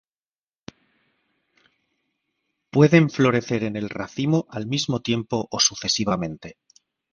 Pueden florecer en el racimo al mismo tiempo o sucesivamente.